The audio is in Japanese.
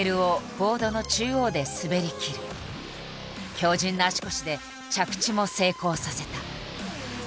強じんな足腰で着地も成功させた。